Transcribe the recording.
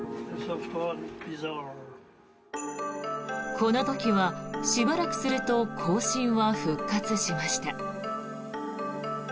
この時は、しばらくすると交信は復活しました。